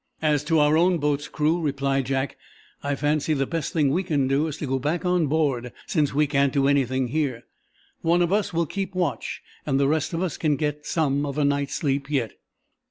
"As to our own boat's crew," replied Jack, "I fancy the best thing we can do is to go back on board, since we can't do anything here. One of us will keep watch, and the rest of us can get some of a night's sleep yet."